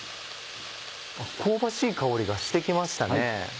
香ばしい香りがして来ましたね。